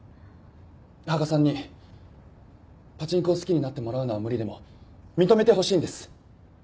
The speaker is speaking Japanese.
羽賀さんにパチンコを好きになってもらうのは無理でも認めてほしいんです。